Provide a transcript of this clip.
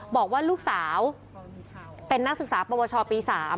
บอกว่าลูกสาวเป็นนักศึกษาประวัติศาสตร์ปี๓